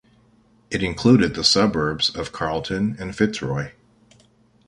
It included the suburbs of Carlton and Fitzroy.